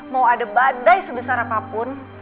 mau ada badai sebesar apapun